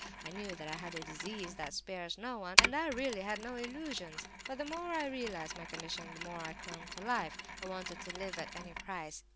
I knew that I had a disease that spares no one, and I really had no illusions; but the more I realized my condition, the more I clung to life; I wanted to live at any price.